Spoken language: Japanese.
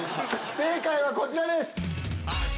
正解はこちらです。